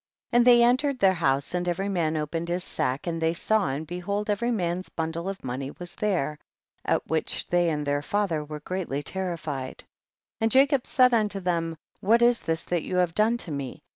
And they entered their house, and every man opened his sack and they saw and behold every man's bundle of money ivas there, at which they and their father were greatly terrified. 2. And Jacob said unto them, what is this that you have done to me